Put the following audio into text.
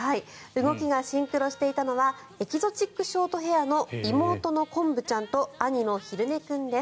動きがシンクロしていたのはエキゾチックショートヘアの妹のこんぶちゃんと兄のひるね君です。